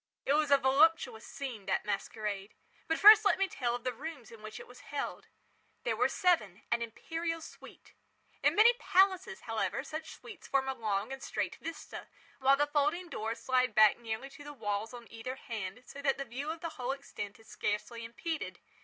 It was a voluptuous scene, that masquerade. But first let me tell of the rooms in which it was held. These were seven—an imperial suite. In many palaces, however, such suites form a long and straight vista, while the folding doors slide back nearly to the walls on either hand, so that the view of the whole extent is scarcely impeded.